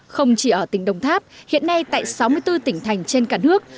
không chỉ ở tỉnh đồng tháp hiện nay tại sáu mươi bốn tỉnh thành trên cả nước